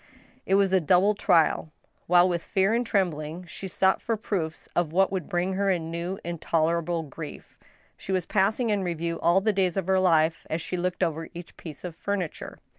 It was a double trial. While with fear and trembling she sought for proofs of what would bring her a new, intolerable grief, she was passing in review all the days of her life as she looked over each piece of furniture.